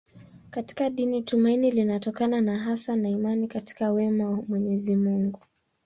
Katika dini tumaini linatokana hasa na imani katika wema wa Mwenyezi Mungu.